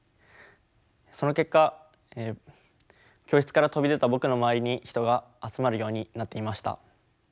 その結果教室から飛び出た僕の周りに人が集まるようになっていました。